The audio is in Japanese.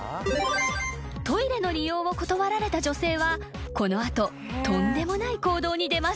［トイレの利用を断られた女性はこの後とんでもない行動に出ます］